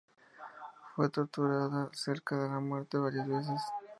Fue torturada cerca de la muerte varias veces.